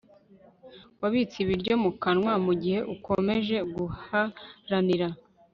wabitse ibiryo mu kanwa mugihe ukomeje guharanira